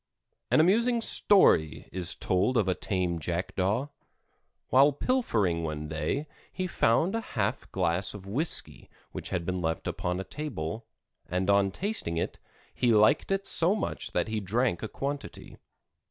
An amusing story is told of a tame Jackdaw. While pilfering one day he found a half glass of whisky which had been left upon a table, and on tasting it, he liked it so much that he drank a quantity.